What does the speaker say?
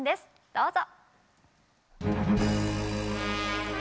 どうぞ。